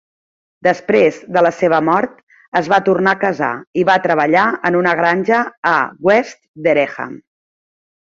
Després de la seva mort, es va tornar a casar, i va treballar en una granja a West Dereham.